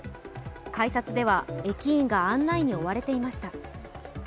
改札では駅員が案内に追われていました。